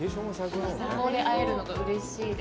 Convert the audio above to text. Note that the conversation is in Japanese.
ここで会えるのが、うれしいです。